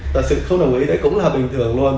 thật sự không đồng ý đấy cũng là bình thường luôn